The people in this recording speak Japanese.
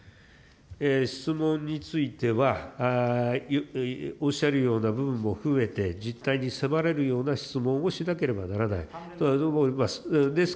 質問については、おっしゃるような部分も含めて、実態に迫れるような質問をしなければならないと思います。